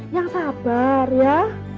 yang sabar ya